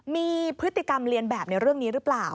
มีพฤติกรรมเรียนแบบในเรื่องนี้หรือเปล่า